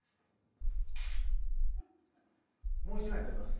もう１枚撮ります。